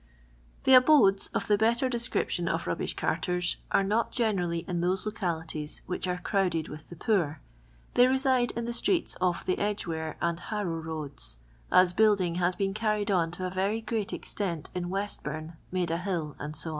The abodes of the letter descnptioii qf rvhlnslv carters are not generally in those localities which are crowded with the poor. They reside in the streets off the Edge ware and Harrow roads, as building has been carried on to a very frreat ex tent in Westboume, Maida hill, tStc.